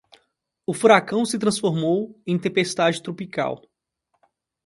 O furacão se transformou em tempestade tropical